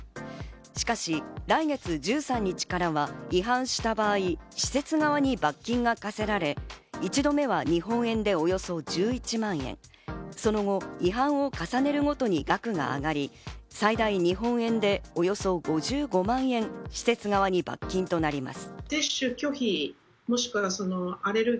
しかし来月１３日からは違反した場合、施設側に罰金が科せられ、１度目は日本円でおよそ１１万円、その後、違反を重ねるごとに額が上がり、最大日本円でおよそ５５万円、施設側に罰金となります。